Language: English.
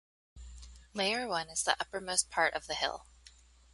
Layer One is the uppermost part of the hill.